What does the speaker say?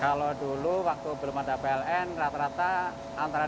kalau dulu waktu belum ada pln rata rata antara dua puluh tiga puluh